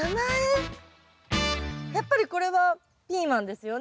やっぱりこれはピーマンですよね。